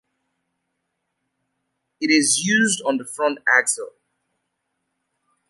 It is used on the front axle.